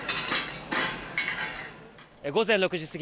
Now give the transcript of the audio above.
午前６時過ぎ